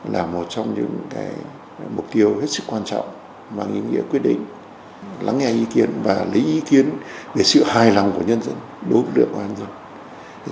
là một trong những mục tiêu hết sức quan trọng mang ý nghĩa quyết định lắng nghe ý kiến và lấy ý kiến về sự hài lòng của nhân dân đối với lực lượng công an dân